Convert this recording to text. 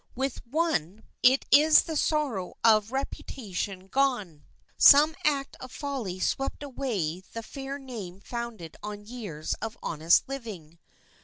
With one, it is the sorrow of a reputation gone,—some act of folly swept away the fair name founded on years of honest living.